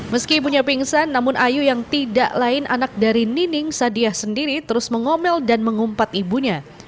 meski ibunya pingsan namun ayu yang tidak lain anak dari nining sadiah sendiri terus mengomel dan mengumpat ibunya